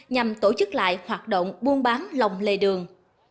nhằm tổ chức lại hoạt động buôn bán lòng lề đường